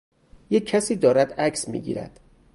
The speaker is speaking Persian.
یک کسی دارد عکس می گیرد.